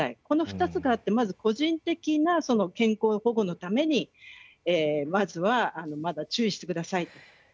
この２つがあってまず個人的な健康保護のためにまずは、まだ注意してください。